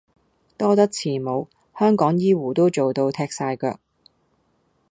多得慈母，香港醫謢都做到踢曬腳